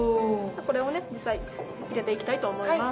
これを実際にのっけて行きたいと思います。